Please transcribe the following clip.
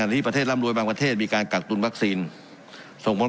อันนี้ประเทศรำรวยบางประเทศมีการกักตูนวัคซีนส่งม้น